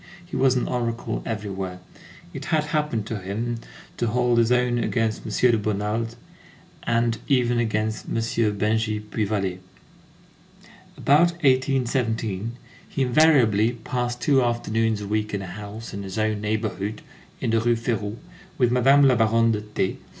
He was an oracle everywhere. It had happened to him to hold his own against M. de Bonald, and even against M. Bengy Puy Vallée. About 1817, he invariably passed two afternoons a week in a house in his own neighborhood, in the Rue Férou, with Madame la Baronne de T.